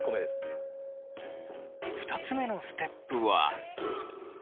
２つ目のステップは。